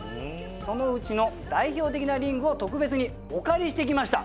そのうちの代表的なリングを特別にお借りして来ました。